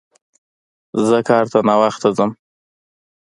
زه کار ته ناوخته ځم